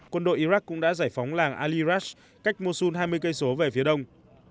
quân đội iraq cũng đã giải phóng làng ali rash cách mosul hai mươi km về phía đông